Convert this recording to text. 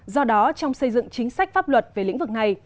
do đó trong xây dựng chính sách pháp luật về lĩnh vực này